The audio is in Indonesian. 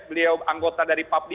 beliau anggota dari papdi